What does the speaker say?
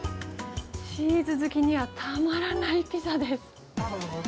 チーズ好きにはたまらないピザです。